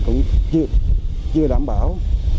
chưa đảm bảo